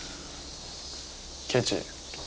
ケチ。